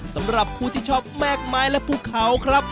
สำหรับผู้ที่ชอบแม่กไม้และผู้เข่า